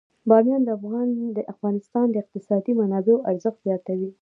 بامیان د افغانستان د اقتصادي منابعو ارزښت زیاتوي.